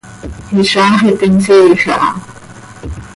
¡Hizaax iti nsiij aha!